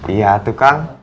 iya atu kang